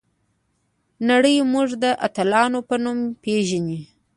نړۍ موږ د اتلانو په نوم پیژني.